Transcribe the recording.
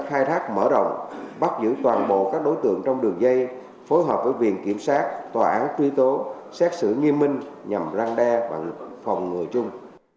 khai thác mở rộng bắt giữ toàn bộ các đối tượng trong đường dây phối hợp với viện kiểm sát tòa án truy tố xét xử nghiêm minh nhằm răng đe bằng phòng ngừa chung